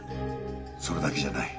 それだけじゃない。